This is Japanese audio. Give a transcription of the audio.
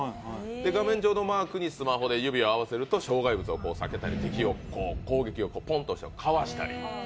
画面上のマークにスマホで指を合わせると障害物を避けたり、敵の攻撃をかわしたり。